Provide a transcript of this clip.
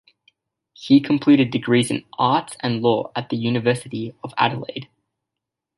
He completed degrees in Arts and Law at the University of Adelaide.